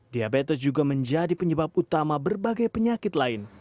diabetes juga menjadi penyebab utama berbagai penyakit lain